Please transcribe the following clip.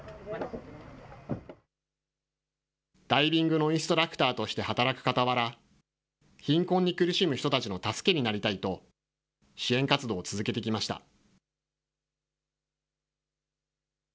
ダイビングのインストラクターとして働くかたわら、貧困に苦しむ人たちの助けになりたいと、支援活動を続けてきました。